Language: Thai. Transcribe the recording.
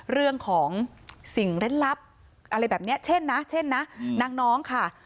เรื่องของสิ่งเล่นลับอะไรแบบนี้เช่นนะเช่นนะนางน้องค่ะ